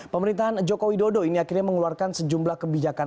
pemerintahan jokowi dodo ini akhirnya mengeluarkan sejumlah kebijakan